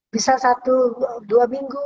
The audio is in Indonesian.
bisa satu dua minggu